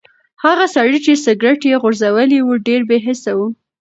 هغه سړی چې سګرټ یې غورځولی و ډېر بې حسه و.